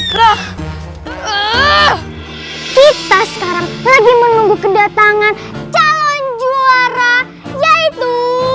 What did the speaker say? roh kita sekarang lagi menunggu kedatangan calon juara yaitu